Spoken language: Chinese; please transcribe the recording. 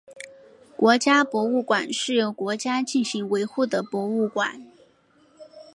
国家博物馆是由国家进行维护的博物馆。